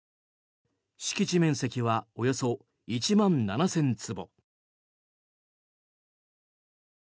敷地面積はおよそ１万７０００坪。